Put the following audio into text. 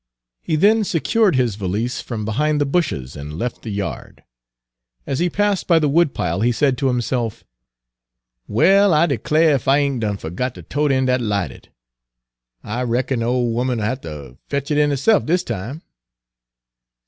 He then secured his valise from behind the bushes, and left the yard. As he passed by the wood pile, he said to himself: "Well, I declar' ef I ain't done fergot ter tote in dat lighterd; I reckon de ole 'omen, 'll ha' ter fetch it in herse'f dis time."